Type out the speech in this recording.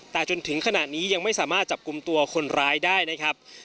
แต่จนถึงขณะนี้ยังไม่สามารถจับกลุ่มตัวคนร้ายได้นะครับ